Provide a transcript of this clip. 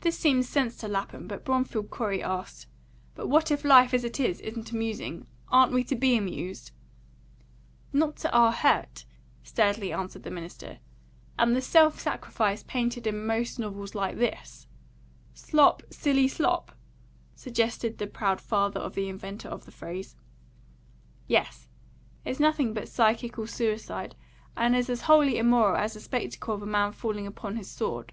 This seemed sense to Lapham; but Bromfield Corey asked: "But what if life as it is isn't amusing? Aren't we to be amused?" "Not to our hurt," sturdily answered the minister. "And the self sacrifice painted in most novels like this " "Slop, Silly Slop?" suggested the proud father of the inventor of the phrase. "Yes is nothing but psychical suicide, and is as wholly immoral as the spectacle of a man falling upon his sword."